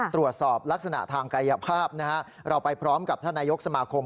ตรวจสอบลักษณะทางกายภาพนะฮะเราไปพร้อมกับท่านนายกสมาคม